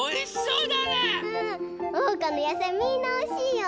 おうかのやさいみんなおいしいよ。